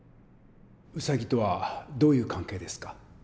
ウサギとはどういう関係ですか？